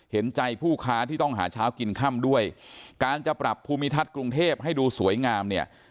เห็นใจผู้ค้าที่ต้องหาเช้ากินค่ำด้วยการจะปรับภูมิทัศน์กรุงเทพให้ดูสวยงามเนี่ย